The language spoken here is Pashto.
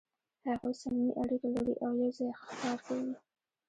هغوی صمیمي اړیکې لري او یو ځای ښکار کوي.